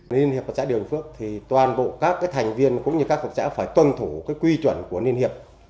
liên hiệp hợp tác xã điều phước thì toàn bộ các thành viên cũng như các hợp tác xã phải tuân thủ quy chuẩn của liên hiệp